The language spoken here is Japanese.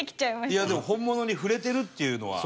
いやでも本物に触れてるっていうのは。